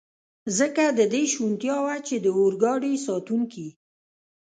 ځکه د دې شونتیا وه، چې د اورګاډي ساتونکي.